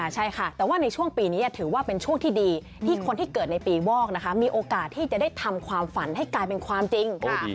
ใช่ค่ะแต่ว่าในช่วงปีนี้ถือว่าเป็นช่วงที่ดีที่คนที่เกิดในปีวอกนะคะมีโอกาสที่จะได้ทำความฝันให้กลายเป็นความจริง